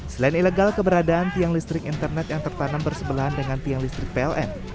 selain ilegal keberadaan tiang listrik internet yang tertanam bersebelahan dengan tiang listrik pln